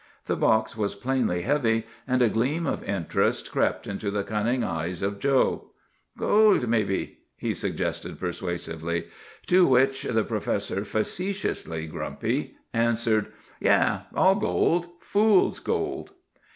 The box was plainly heavy, and a gleam of interest crept into the cunning eyes of Joe. "'Gold, mebbe?' he suggested persuasively. "To which the professor, facetiously grumpy, answered, 'Yes, all gold! Fools' gold!